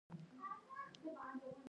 کوچيان په دښتو کې ژوند کوي.